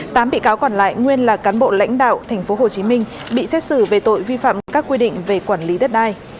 tám bị cáo còn lại nguyên là cán bộ lãnh đạo tp hcm bị xét xử về tội vi phạm các quy định về quản lý đất đai